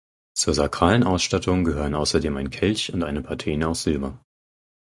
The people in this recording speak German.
Zur sakralen Ausstattung gehören außerdem ein Kelch und eine Patene aus Silber.